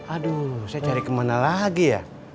aduh saya cari kemana lagi ya